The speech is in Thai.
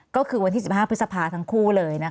ก็คือวันที่๑๕พฤษภาทั้งคู่เลย